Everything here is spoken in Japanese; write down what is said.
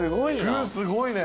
具すごいね。